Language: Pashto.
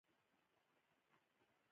ته پوهېږې بریدمنه، له جګړې مو هېڅ.